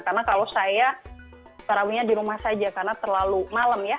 karena kalau saya tarawihnya di rumah saja karena terlalu malam ya